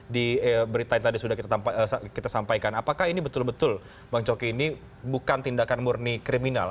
di berita yang tadi sudah kita sampaikan apakah ini betul betul bang coki ini bukan tindakan murni kriminal